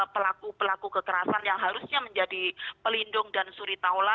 pelaku pelaku kekerasan yang harusnya menjadi pelindung dan suritaula